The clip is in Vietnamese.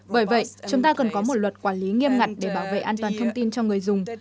bởi vậy chúng ta cần có một luật quản lý nghiêm ngặt để bảo vệ an toàn thông tin cho người dùng